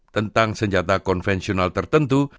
tentang senjata konvensional tertentu